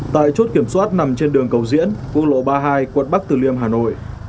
tại chốt kiểm soát nằm trên đường cầu diễn quốc lộ ba mươi hai quận bắc từ liêm hà nội